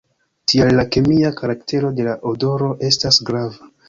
Tial la kemia karaktero de la odoro estas grava.